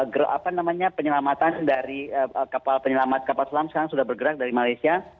grup apa namanya penyelamatan dari kapal penyelamat kapal selam sekarang sudah bergerak dari malaysia